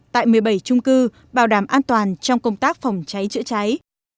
tại một mươi bảy trung cư bảo đảm an toàn trong công tác phòng cháy chữa cháy